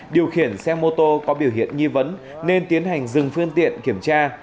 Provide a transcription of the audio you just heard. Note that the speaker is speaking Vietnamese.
điều khiển xe mô tô có biểu hiện nghi vấn nên tiến hành dừng phương tiện kiểm tra